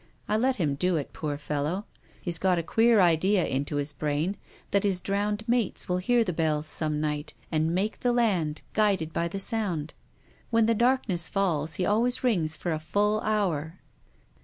I let him do it, poor fellow. He's got a queer idea into his brain that his drowned mates will hear the bells some night and make the land, guided by the sound. When the darkness falls he always rings for a full hour."